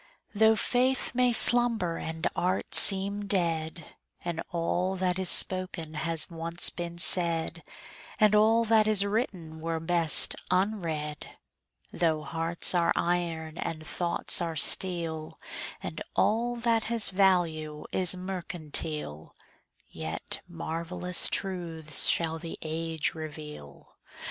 Though faith may slumber and art seem dead, And all that is spoken has once been said, And all that is written were best unread; Though hearts are iron and thoughts are steel, And all that has value is mercantile, Yet marvellous truths shall the age reveal.